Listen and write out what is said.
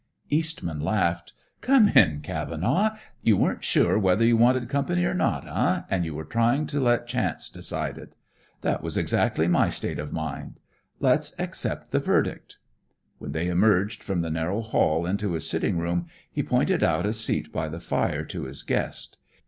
Eastman laughed. "Come in, Cavenaugh. You weren't sure whether you wanted company or not, eh, and you were trying to let chance decide it? That was exactly my state of mind. Let's accept the verdict." When they emerged from the narrow hall into his sitting room, he pointed out a seat by the fire to his guest.